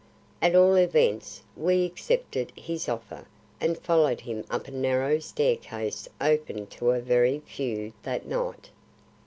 At all events, we accepted his offer and followed him up a narrow staircase open to very few that night.